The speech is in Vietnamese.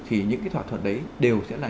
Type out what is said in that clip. thì những thỏa thuận đấy đều sẽ là